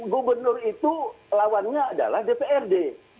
gubernur itu lawannya adalah dprd